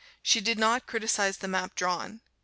She did not criticise the map drawn.